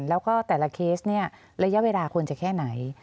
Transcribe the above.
แล้วก็แต่ละเคสเนี่ยระยะเวลาควรจะแค่ไหน